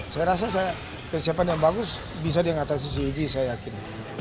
saya rasa saya persiapan yang bagus bisa dia ngatasi sejauh ini saya yakin